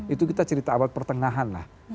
itu kita cerita abad pertengahan lah